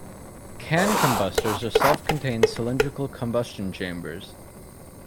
Can combustors are self-contained cylindrical combustion chambers.